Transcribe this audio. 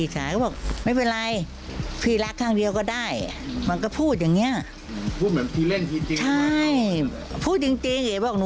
ก็คิดอยู่เหมือนกัน